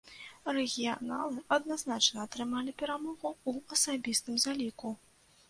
Рэгіяналы адназначна атрымалі перамогу ў асабістым заліку.